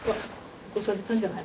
起こされたんじゃない？